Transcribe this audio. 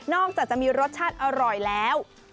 จากจะมีรสชาติอร่อยแล้ว